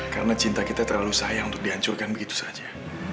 karena cinta kita terlalu sayang untuk dihancurkan begitu saja